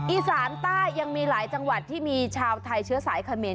อีสานใต้ยังมีหลายจังหวัดที่มีชาวไทยเชื้อสายเขมร